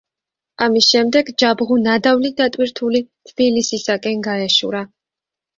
ამის შემდეგ ჯაბღუ ნადავლით დატვირთული თბილისისაკენ გაეშურა.